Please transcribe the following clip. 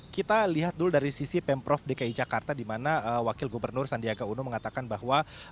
kita lihat dulu dari sisi pemprov dki jakarta di mana wakil gubernur sandiaga uno mengatakan bahwa